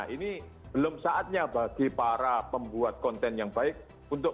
ini belum saatnya bagi para pembuat konten yang baik untuk